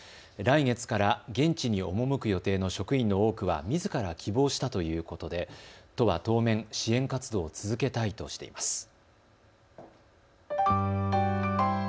来月から現地に赴く予定の職員の多くは、みずから希望したということで都は当面、支援活動を続けたいとしています。